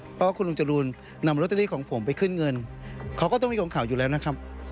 เพราะว่าคุณลุงจรูนนำโรตเตอรี่ของผมไปขึ้นเงินเขาก็ต้องมีของข่าวอยู่แล้วนะครับ